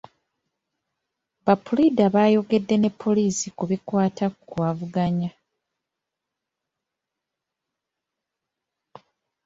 Ba puliida bayogedde ne poliisi ku bikwata ku avuganya.